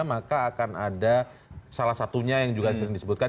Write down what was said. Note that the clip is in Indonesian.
maka akan ada salah satunya yang juga sering disebutkan